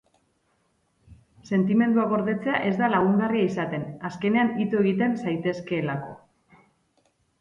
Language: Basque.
Sentimenduak gordetzea ez da lagungarria izaten, azkenean ito egin zaitezkeelako.